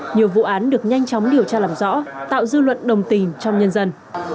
nhiều vụ án được nhanh chóng điều tra làm rõ tạo dư luận đồng tình trong nhân dân